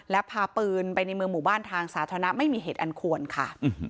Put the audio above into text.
และพาปืนไปในเมืองหมู่บ้านทางสาธารณะไม่มีเหตุอันควรค่ะ